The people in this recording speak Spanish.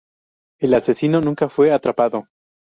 El asesino nunca fue atrapado.